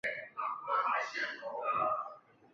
粗体字为主演作品